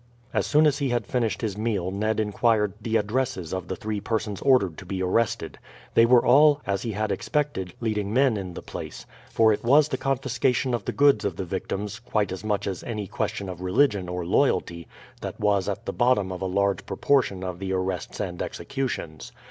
As soon as he had finished his meal Ned inquired the addresses of the three persons ordered to be arrested. They were all, as he had expected, leading men in the place; for it was the confiscation of the goods of the victims, quite as much as any question of religion or loyalty, that was at the bottom of a large proportion of the arrests and executions.